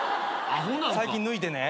最近抜いてね。